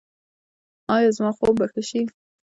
ایا زما خوب به ښه شي؟